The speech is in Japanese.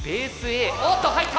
Ａおっと入った！